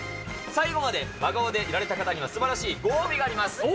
最後まで真顔でいられた方にはすばらしいご褒美があります。